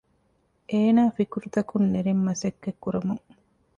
އޭނާ ފިކުރުތަކުން ނެރެން މަސައްކަތްކުރަމުން